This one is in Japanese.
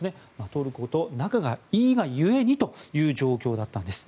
トルコと仲がいいが故にという状況だったんです。